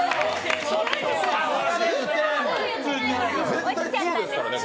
絶対「ＩＩ」ですからね。